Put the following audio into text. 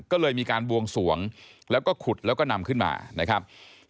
ก็เลยมีการบวงสวงแล้วก็ขุดแล้วก็นำขึ้นมานะครับ